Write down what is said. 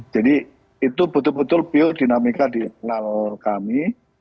jadi itu betul betul biodinamika di dalam kami